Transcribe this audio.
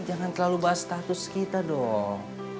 jangan terlalu bahas status kita dong